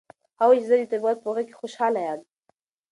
هغه وویل چې زه د طبیعت په غېږ کې خوشحاله یم.